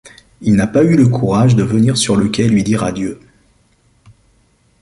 Il n'a pas eu le courage de venir sur le quai lui dire adieu...